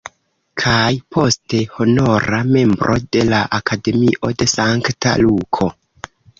Kaj, poste, honora membro de la Akademio de Sankta Luko.